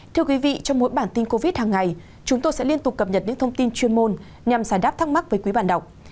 thưa quý vị trong mỗi bản tin covid hàng ngày chúng tôi sẽ liên tục cập nhật những thông tin chuyên môn nhằm giải đáp thắc mắc với quý bạn đọc